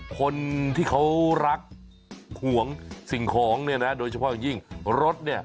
คนที่เขารักห่วงสิ่งของเนี่ยนะโดยเฉพาะอย่างยิ่งรถเนี่ย